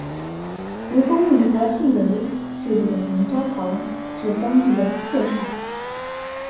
由蜂蜜和杏仁制作的牛轧糖是当地的特产。